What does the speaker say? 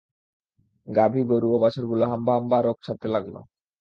গাভী, গরু ও বাছুরগুলো হাম্বা হাম্বা রব ছাড়তে লাগল।